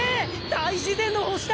大自然の星だ！